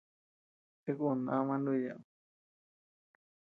Sï kun dama nuku ñeʼed.